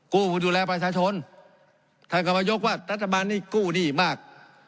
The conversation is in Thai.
กู้มาดูแลประชาชนท่านก็มายกว่ารัฐบาลนี้กู้หนี้มาก